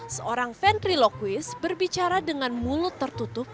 seorang ventriloquist berbicara dengan mulut tertutup